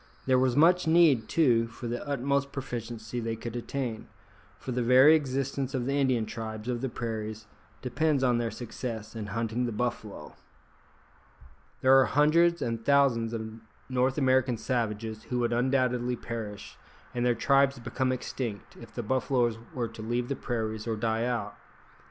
There was much need, too, for the utmost proficiency they could attain, for the very existence of the Indian tribes of the prairies depends on their success in hunting the buffalo. There are hundreds and thousands of North American savages who would undoubtedly perish, and their tribes become extinct, if the buffaloes were to leave the prairies or die out.